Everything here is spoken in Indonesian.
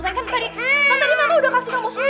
saya kan tadi tadi mama udah kasih kamu suku